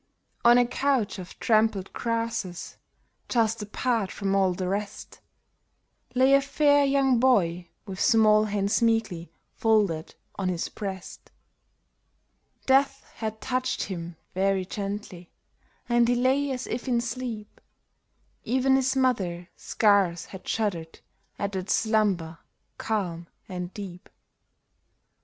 On a couch of trampled grasses, just apart from all the rest, Lay a fair young boy, with small hands meekly folded on his breast. 8o THE DRUMMER BOY'S BURIAL Death had touched him very gently, and he lay as if in sleep ; Even his mother scarce had shuddered at that slumber, calm and deep.